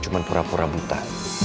cuman pura pura buta